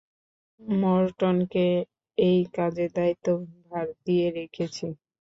মরটনকে এই কাজের দায়িত্বভার দিয়ে রেখেছি।